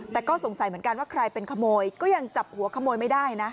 แต่ก็สงสัยเหมือนกันว่าใครเป็นขโมยก็ยังจับหัวขโมยไม่ได้นะ